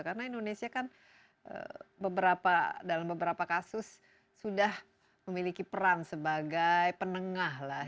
karena indonesia kan dalam beberapa kasus sudah memiliki peran sebagai penengah lah